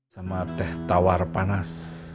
sama teh tawar panas